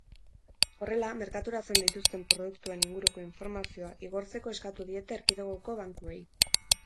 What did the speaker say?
Horrela, merkaturatzen dituzten produktuen inguruko informazioa igortzeko eskatu diete erkidegoko bankuei.